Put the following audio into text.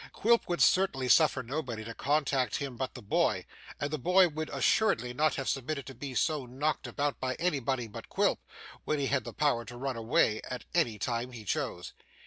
Quilp would certainly suffer nobody to contract him but the boy, and the boy would assuredly not have submitted to be so knocked about by anybody but Quilp, when he had the power to run away at any time he chose.